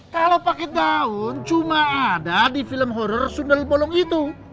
kalau pakai daun cuma ada di film horor sundalipolong itu